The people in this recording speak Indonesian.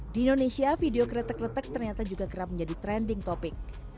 di indonesia video kretek kretek ternyata juga kerap menjadi trending topic